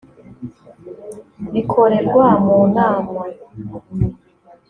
bikorerwa mu nama